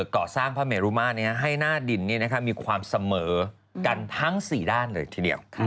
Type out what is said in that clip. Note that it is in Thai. ก่อสร้างพระเมรุมาตรนี้ให้หน้าดินมีความเสมอกันทั้ง๔ด้านเลยทีเดียว